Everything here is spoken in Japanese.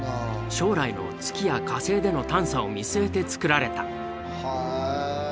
将来の月や火星での探査を見据えて造られた。